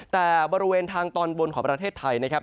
กว่าทางตอนบนของประเทศไทยนะครับ